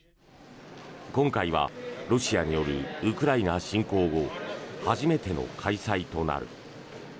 今回はロシアによるウクライナ侵攻後初めての開催となる。